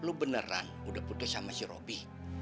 lo beneran udah putus sama si robi